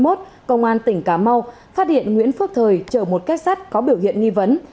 tổ hai mươi một công an tỉnh cà mau phát hiện nguyễn phước thời chở một cách sát có biểu hiện nghi vấn